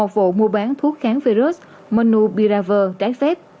một vụ mua bán thuốc kháng virus manubiraver trái phép